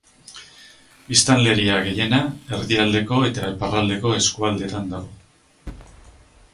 Biztanleria gehiena erdialdeko eta iparraldeko eskualdetan dago.